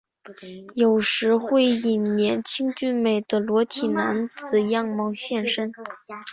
有时会以年轻俊美的裸体男子样貌现身。